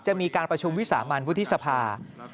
จะมีการประชุมวิสามันวุฒิสภา